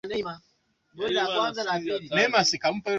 aa wa nchi za ulaya na pia amerika zimekuwa